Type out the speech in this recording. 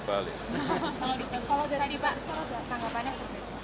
tadi naik mrt pak